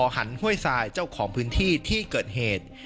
หันห้วยทรายเจ้าของพื้นที่ที่เกิดเหตุ